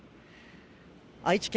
愛知県